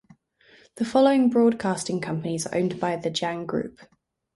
The following broadcasting companies are owned by the Jang Group.